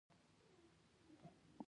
شرعي قوانین یې عملي کړل.